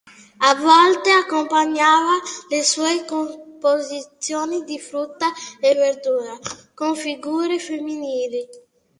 A volte accompagnava le sue composizioni di frutta e verdure con figure femminili.